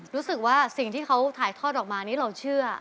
รู้สึกว่าสิ่งที่เขาถ่ายทอดออกมานี่เราเชื่อ